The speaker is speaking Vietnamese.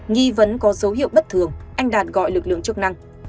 nghi vẫn có dấu hiệu bất thường anh đạt gọi lực lượng chức năng